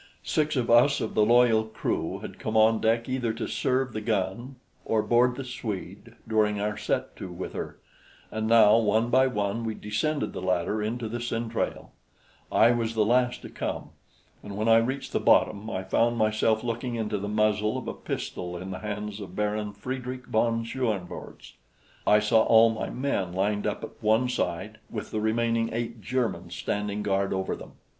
Six of us of the loyal crew had come on deck either to serve the gun or board the Swede during our set to with her; and now, one by one, we descended the ladder into the centrale. I was the last to come, and when I reached the bottom, I found myself looking into the muzzle of a pistol in the hands of Baron Friedrich von Schoenvorts I saw all my men lined up at one side with the remaining eight Germans standing guard over them.